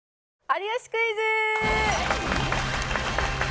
『有吉クイズ』！